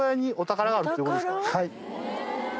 はい。